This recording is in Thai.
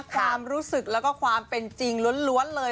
ความรู้สึกแล้วก็ความเป็นจริงล้วนเลย